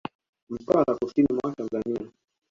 Mtwara Kusini mwa Tanzania